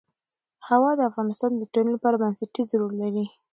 هوا د افغانستان د ټولنې لپاره بنسټيز رول لري.